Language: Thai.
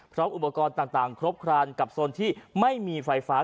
อุปกรณ์ต่างครบครันกับโซนที่ไม่มีไฟฟ้า